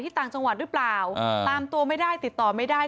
ต่างจังหวัดหรือเปล่าตามตัวไม่ได้ติดต่อไม่ได้